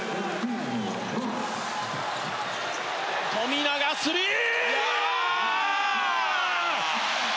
富永、スリー！